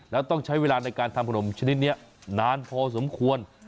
แล้วต้องใช้เวลาในการทำขนมชนิดนี้นานพอสมควร